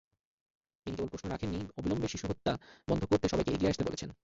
তিনি কেবল প্রশ্ন রাখেননি, অবিলম্বে শিশুহত্যা বন্ধ করতে সবাইকে এগিয়ে আসতে বলেছেন।